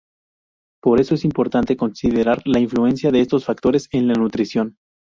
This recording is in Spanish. Por eso es importante considerar la influencia de estos factores en la nutrición.